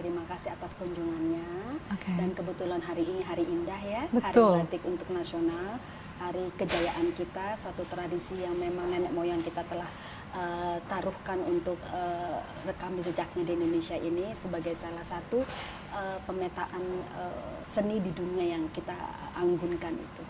terima kasih atas kunjungannya dan kebetulan hari ini hari indah ya hari batik untuk nasional hari kejayaan kita suatu tradisi yang memang nenek moyang kita telah taruhkan untuk rekam sejaknya di indonesia ini sebagai salah satu pemetaan seni di dunia yang kita anggunkan